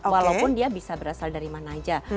walaupun dia bisa berasal dari mana aja